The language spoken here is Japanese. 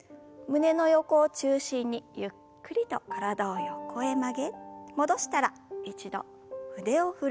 胸の横を中心にゆっくりと体を横へ曲げ戻したら一度腕を振る運動です。